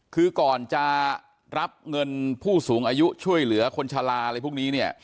คือก่อนจะรับเงินผู้สูงอายุช่วยเหลือคนชะลาอะไรพวกนี้เนี่ย